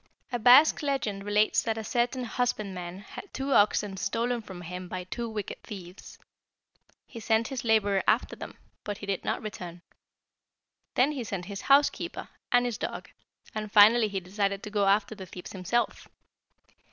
"A Basque legend relates that a certain husbandman had two oxen stolen from him by two wicked thieves. He sent his laborer after them, but he did not return. Then he sent his housekeeper, and his dog, and finally he decided to go after the thieves himself.